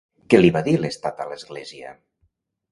Què li va dir l'Estat a l'Església?